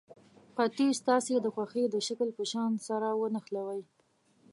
قطي ستاسې د خوښې د شکل په شان سره ونښلوئ.